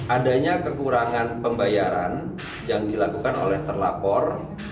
adanya kekurangan pembayaran yang dilakukan oleh terlapor